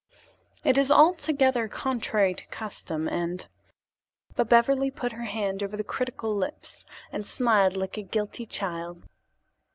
"It is altogether contrary to custom, and " but Beverly put her hand over the critical lips and smiled like a guilty child.